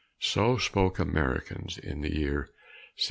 So spoke Americans in the year 1776.